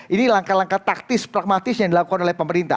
ini langkah langkah taktis pragmatis yang dilakukan oleh pemerintah